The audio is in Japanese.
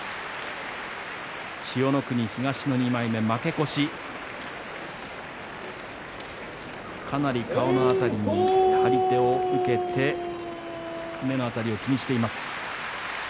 千代の国、東の２枚目、負け越し顔の辺りに張り手を受けて炎鵬、目の辺りを気にしています。